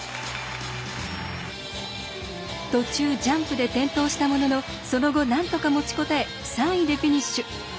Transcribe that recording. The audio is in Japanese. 途中、ジャンプで転倒したもののその後なんとか持ちこたえ３位でフィニッシュ。